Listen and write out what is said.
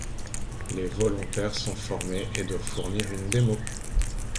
Les volontaires sont formés, et doivent fournir une démo.